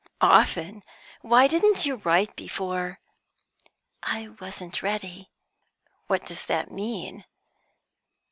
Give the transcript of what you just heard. "Often. Why didn't you write before?" "I wasn't ready." "What does that mean?"